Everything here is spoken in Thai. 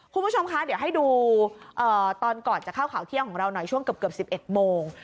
คุณผู้ชมคะเดี๋ยวให้ดูตอนก่อนจะเข้าข่าวเที่ยงของเราหน่อยช่วงเกือบ๑๑โมง